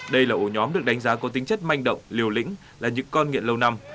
đây là ổ nhóm được đánh giá có tính chất manh động liều lĩnh là những con nghiện lâu năm